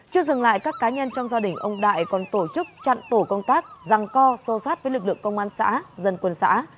chưa dừng lại các cá nhân trong gia đình ông đại còn tổ chức chặn tổ công tác răng co so sát với lực lượng công an xã dân quân xã